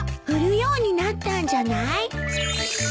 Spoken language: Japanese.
売るようになったんじゃない？